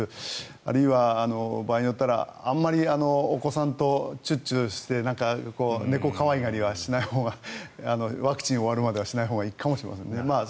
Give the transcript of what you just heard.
あるいは場合によってはあまりお子さんとチュッチュして猫可愛がりはしないほうがワクチンが終わるまではしないほうがいいかもしれません。